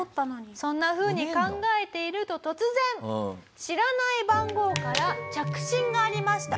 そんなふうに考えていると突然知らない番号から着信がありました。